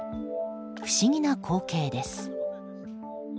不思議な光景です。